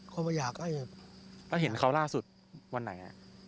เขาไม่อยากให้แล้วเห็นเขาล่าสุดวันไหน